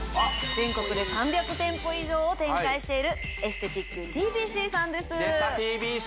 全国で３００店舗以上を展開しているエステティックＴＢＣさんですでたＴＢＣ！